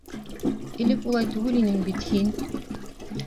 Элек улай түгел инең бит һин!